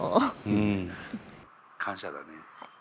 うん。感謝だね。